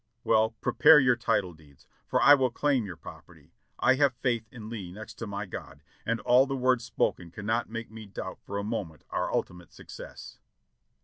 "Well, prepare your title deeds, for I will claim 3^our promise. I have faith in Lee next to my God, and all the words spoken cannot make me doubt for a moment our ultimate success."